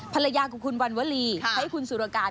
ภรรยากับคุณวันวลีให้คุณสุรการ